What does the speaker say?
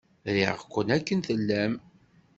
Riɣ-ken akken tellam.